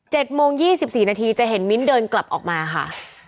โมงยี่สิบสี่นาทีจะเห็นมิ้นเดินกลับออกมาค่ะ